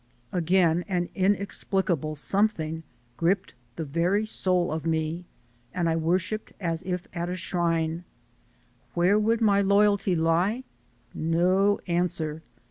Again an inexplicable something gripped the very soul of me and I worshiped as if at a shrine. Where would my loyalty lie? No answer!